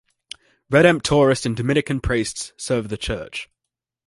Redemptorist and Dominican priests serve the church.